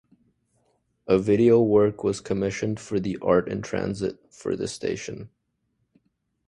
A video work was commissioned for the Art in Transit for this station.